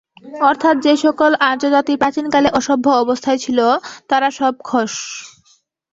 অর্থাৎ যে সকল আর্যজাতি প্রাচীনকালে অসভ্য অবস্থায় ছিল, তারা সব খশ্।